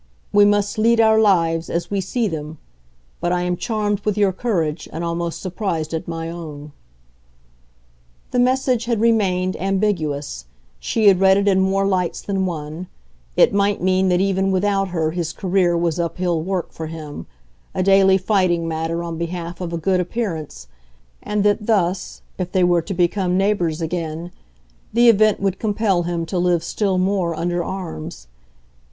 "We must lead our lives as we see them; but I am charmed with your courage and almost surprised at my own." The message had remained ambiguous; she had read it in more lights than one; it might mean that even without her his career was up hill work for him, a daily fighting matter on behalf of a good appearance, and that thus, if they were to become neighbours again, the event would compel him to live still more under arms.